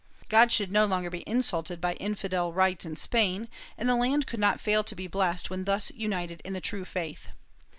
God should no longer be insulted by infidel rites in Spain, and the land could not fail to be blessed when thus united in the true faith.